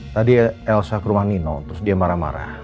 tadi elsa ke rumah nino terus dia marah marah